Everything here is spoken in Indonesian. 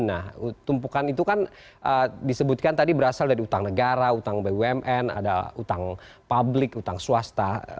nah tumpukan itu kan disebutkan tadi berasal dari hutang negara hutang bumn ada hutang publik hutang swasta